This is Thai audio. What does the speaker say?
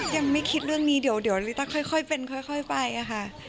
ยังไม่คิดเรื่องนี้เดี๋ยวลิต้าค่อยเป็นค่อยไปค่ะ